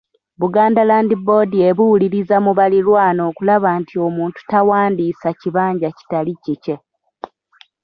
Buganda Land Board ebuuliriza mu baliraanwa okulaba nti omuntu tawandiisa kibanja kitali kikye.